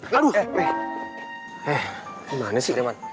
gimana sih ini man